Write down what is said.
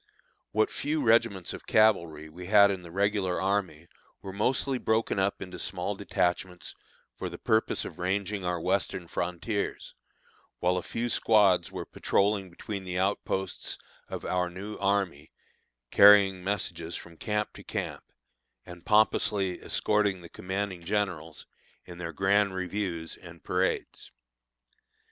What few regiments of cavalry we had in the regular army were mostly broken up into small detachments for the purpose of ranging our Western frontiers, while a few squads were patrolling between the outposts of our new army, carrying messages from camp to camp, and pompously escorting the commanding generals in their grand reviews and parades.